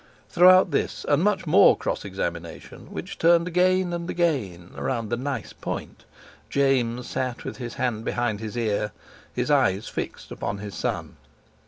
Throughout this and much more cross examination, which turned again and again around the "nice point," James sat with his hand behind his ear, his eyes fixed upon his son.